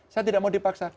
saya tidak mau dipaksa